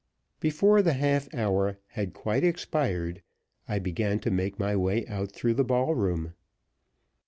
Before the half hour had quite expired I began to make my way out through the ballroom.